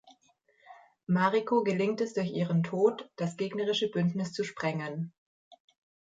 Mariko gelingt es durch ihren Tod, das gegnerische Bündnis zu sprengen.